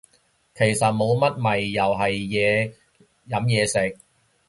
其實冇乜咪又係嘢飲嘢食